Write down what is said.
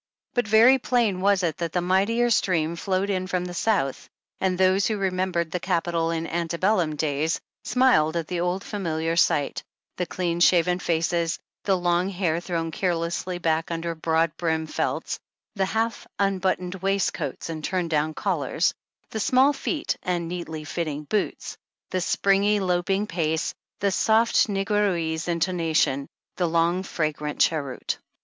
But very plain was it that the mightier stream flowed in from the South, and those who remembered the Capital in antebellum da^^'s, smiled at the old familiar sight, the clean shaven faces, the long hair thrown carelessly back under the broad brim felts, the half unbuttoned vraistcoats and turn down collars, the small feet and neatly fitting boots, the springy loping pace, the soft negroese intonation, the long fragrant cheroot.